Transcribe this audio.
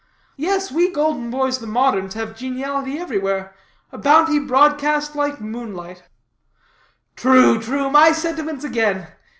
Yes, we golden boys, the moderns, have geniality everywhere a bounty broadcast like noonlight." "True, true; my sentiments again.